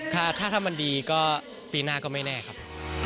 ถ้ามันดีก็ปีหน้าก็ไม่แน่ครับ